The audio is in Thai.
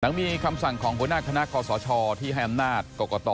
หนังมีคำสั่งของบนหน้าคณะกสชที่ให้อำนาจกกต